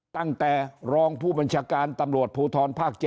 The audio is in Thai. ตั้งแต่รองผู้บัญชาการตำรวจภูทรภาค๗